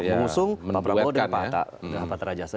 mengusung pak prabowo dan pak atta